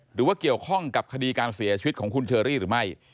หรือว่าเกี่ยวข้องกับคดีการเสียชีวิตของคุณเชอรี่หรือไม่